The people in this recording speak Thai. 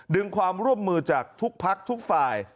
ดึงความร่วมมือจากทุกพักทุกฝ่าย